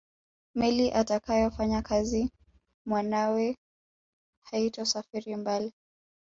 Meli atakayofanyakazi mwanawe haitosafiri mbali